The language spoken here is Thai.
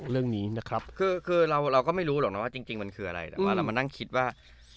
เราก็ไม่รู้หรอกนะว่าจริงมันคืออะไรแต่เรามานั่งคิดว่า